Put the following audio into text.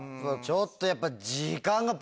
ちょっとやっぱ。